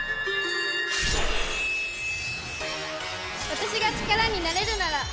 私が力になれるなら！